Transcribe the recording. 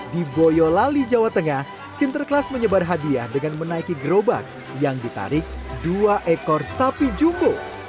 di boyolali jawa tengah sinterklas menyebar hadiah dengan menaiki gerobak yang ditarik dua ekor sapi jumbo